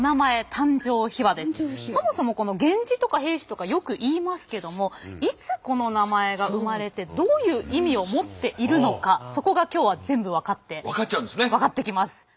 そもそも源氏とか平氏とかよく言いますけどもいつこの名前が生まれてどういう意味を持っているのかそこが今日は全部分かってきます。